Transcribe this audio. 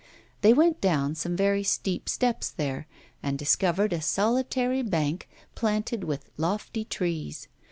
They went down some very steep steps there, and discovered a solitary bank planted with lofty trees.